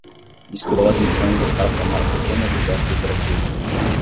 Misturou as miçangas para formar um pequeno objeto decorativo